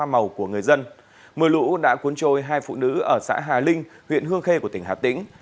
mưa lũ đã cuốn trôi hai phụ nữ ở xã hà linh huyện hương khê của tỉnh hà tĩnh